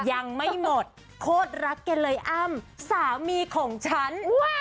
ยังไม่หมดโคตรรักแกเลยอ้ำสามีของฉัน